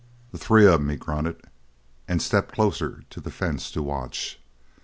"The three of 'em!" he grunted, and stepped closer to the fence to watch.